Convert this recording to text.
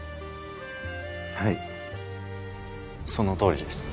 はいその通りです。